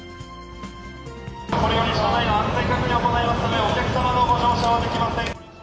これより車内の安全確認を行いますので、お客様のご乗車はできません。